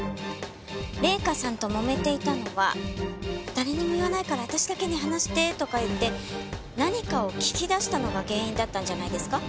礼香さんともめていたのは「誰にも言わないから私だけに話して」とか言って何かを聞き出したのが原因だったんじゃないですか？